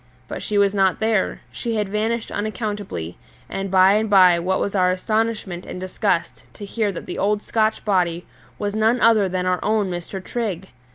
But she was not there she had vanished unaccountably; and by and by what was our astonishment and disgust to hear that the old Scotch body was none other than our own Mr. Trigg!